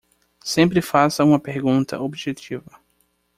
Sempre faça uma pergunta objetiva.